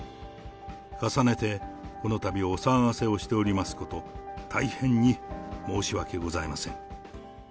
重ねて、このたびお騒がせをしておりますこと、大変に申し訳ございません。